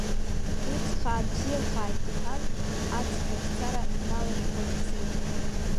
Уҵх аабзиахааит, — иҳәан, аҵх лашьцара дналашәкуа дцеит.